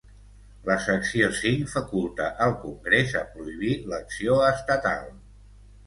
La secció cinc faculta el Congrés a prohibir l'acció estatal.